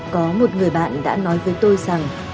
có một người bạn đã nói với tôi rằng